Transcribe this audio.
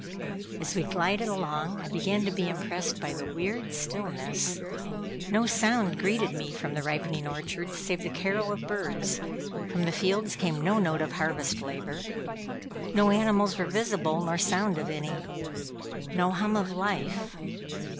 As we glided along, I began to be impressed by the weird stillness. No sound greeted me from the ripening orchards, save the carol of birds; from the fields came no note of harvest labor. No animals were visible, nor sound of any. No hum of life.